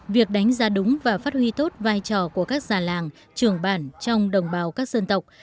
việc đánh giá đúng và phát huy tốt vai trò của các già làng trưởng bản trong đồng bào các dân tộc